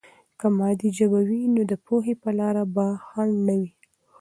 که مادي ژبه وي، نو د پوهې په لاره به خنډ نه وي.